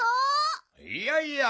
いやいや。